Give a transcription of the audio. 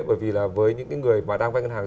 bởi vì với những người đang vai ngân hàng